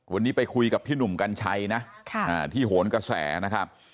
วันนี้ไปคุยกับพี่หนุ่มกัญชัยนะที่โหนกระแสนะครับ